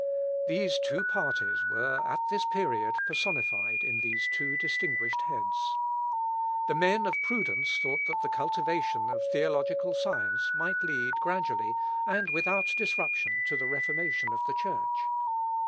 These two parties were, at this period, personified in these two distinguished heads. The men of prudence thought that the cultivation of theological science might lead gradually, and without disruption, to the reformation of the Church.